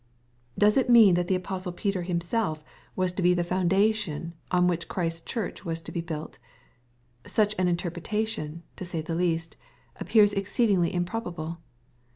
Does it mean that the apostle Peter himself was to be the foundation on MATTHEW, CHAP. XVI. 193 I irhich Christ's Church was to be bufl t ? Such an interpre tation, to say the least, appears exceedingly improbable.